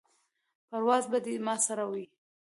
پرواز به دې ما سره وي.